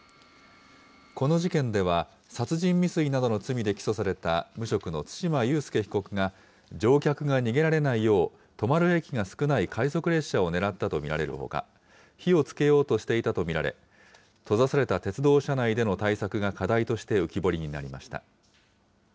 この事件では、殺人未遂などの罪で起訴された無職の對馬悠介被告が、乗客が逃げられないよう、止まる駅が少ない快速列車をねらったと見られるほか、火をつけようとしていたと見られ、閉ざされた鉄道車内での対策が課題として浮き彫りになりました。